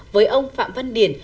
với ông phạm văn điển